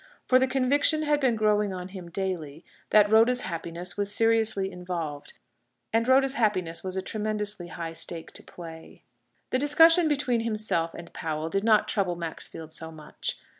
For the conviction had been growing on him daily that Rhoda's happiness was seriously involved; and Rhoda's happiness was a tremendously high stake to play. The discussion between himself and Powell did not trouble Maxfield so much.